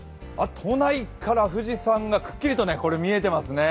都内から富士山がくっきりと見えていますね。